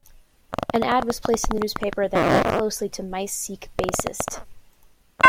An ad was placed in the newspaper that read closely to Mice seek bassist.